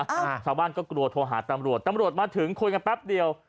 อ่าชาวบ้านก็กลัวโทรหาตำรวจตำรวจมาถึงคุยกันแป๊บเดียว